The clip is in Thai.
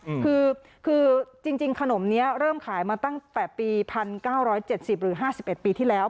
อืมคือคือจริงจริงขนมเนี้ยเริ่มขายมาตั้งแต่ปีพันเก้าร้อยเจ็ดสิบหรือห้าสิบเอ็ดปีที่แล้ว